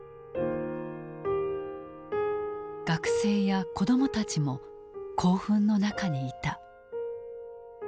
学生や子供たちも興奮の中にいた。